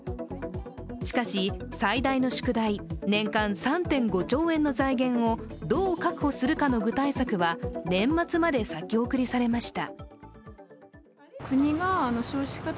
しかし、最大の宿題年間３．５兆円の財源をどう確保するかの具体策は年末まで先送りされました。